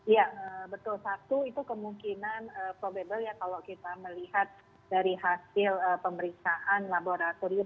ya betul satu itu kemungkinan probable ya kalau kita melihat dari hasil pemeriksaan laboratorium